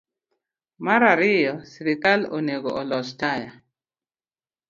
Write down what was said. Mar ariyo, sirkal onego olos taya